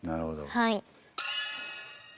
はい。